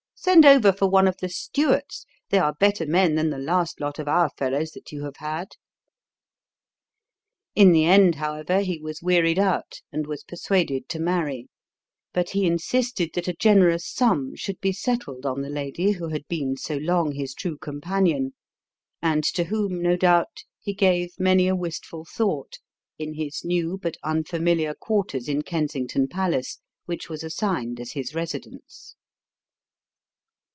Send over for one of the Stuarts they are better men than the last lot of our fellows that you have had!" In the end, however, he was wearied out and was persuaded to marry, but he insisted that a generous sum should be settled on the lady who had been so long his true companion, and to whom, no doubt, he gave many a wistful thought in his new but unfamiliar quarters in Kensington Palace, which was assigned as his residence.